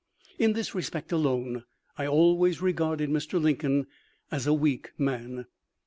In this respect alone I always regarded Mr. Lincoln as a weak man.